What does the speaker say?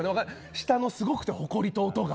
下のすごくて、ほこりと音が。